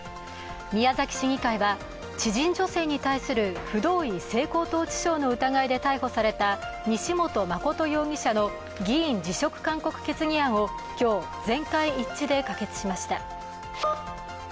宮崎市議会は、知人女性に対する不同意性交等致傷の疑いで逮捕された西本誠容疑者の議員辞職勧告決議案を今日、全会一致で可決しました。